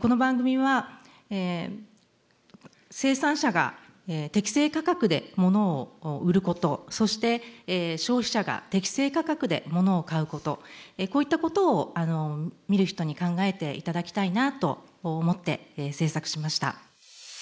この番組は生産者が適正価格で物を売ることそして消費者が適正価格で物を買うことこういったことを見る人に考えていただきたいなと思って制作しました。